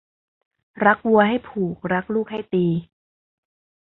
รักวัวให้ผูกรักลูกให้ตี